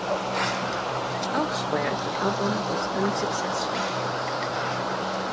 Elsewhere, the album was unsuccessful.